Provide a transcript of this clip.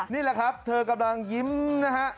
นี่แหละครับเธอกำลังยิ้มนะฮะ